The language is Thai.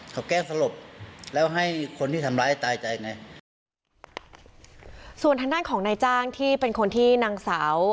เขาแกล้งสลบแล้วให้คนที่ทำร้ายตายใจไงส่วนทางด้านของนายจ้างที่เป็นคนที่นางสาว